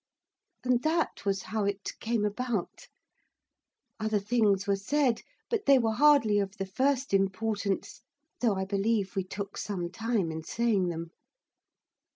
And that was how it came about. Other things were said; but they were hardly of the first importance. Though I believe we took some time in saying them.